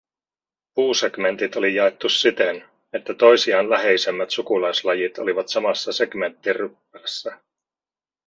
Puusegmentit oli jaettu siten, että toisiaan läheisemmät sukulaislajit olivat samassa segmenttiryppäässä.